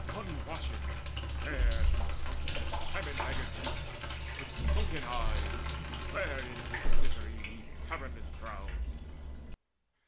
Unwashen there he crouched With famine haggard cheeks, with sunken eyes Glaring his misery 'neath cavernous brows.